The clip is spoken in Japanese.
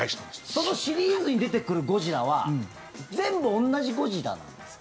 そのシリーズに出てくるゴジラは全部同じゴジラですか？